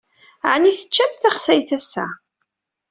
Ɛni teččamt taxsayt ass-a?